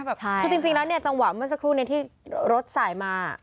คือจริงจังหวะเมื่อสักครู่ที่รถสายมา